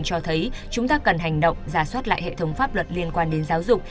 cho thấy chúng ta cần hành động giả soát lại hệ thống pháp luật liên quan đến giáo dục